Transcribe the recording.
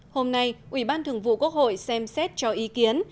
hôm nay ủy ban thường vụ quốc hội xem xét cho ý kiến